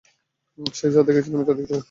সে যা দেখেছিল, আমি তা দেখতে পাচ্ছি।